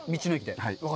道の駅に。